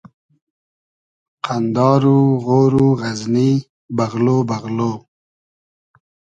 قئندار و غۉر و غئزنی بئغلۉ بئغلۉ